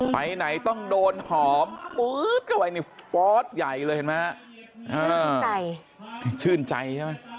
ไปไหนต้องโดนหอมปื๊ดเข้าไปในฟอสใหญ่เลยเห็นไหมฮะชื่นใจชื่นใจใช่ไหม